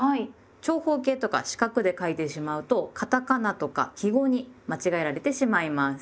長方形とか四角で書いてしまうとカタカナとか記号に間違えられてしまいます。